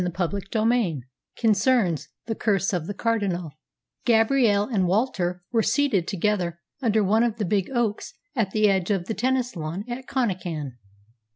CHAPTER XIV CONCERNS THE CURSE OF THE CARDINAL Gabrielle and Walter were seated together under one of the big oaks at the edge of the tennis lawn at Connachan.